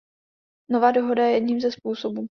Nová dohoda je jedním ze způsobů.